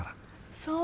そう？